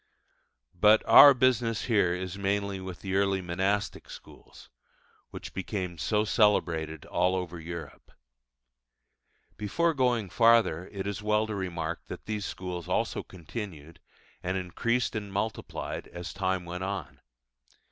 But our business here is mainly with the early monastic schools, which became so celebrated all over Europe. Before going farther it is well to remark that these schools also continued, and increased and multiplied as time went on.